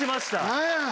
何や？